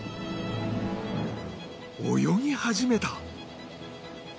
泳ぎ始めた！